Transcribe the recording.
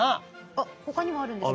あっほかにもあるんですか。